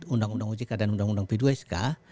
undang undang ojk dan undang undang p dua sk